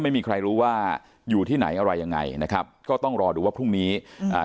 ไม่มีใครรู้ว่าอยู่ที่ไหนอะไรยังไงนะครับก็ต้องรอดูว่าพรุ่งนี้อืมอ่า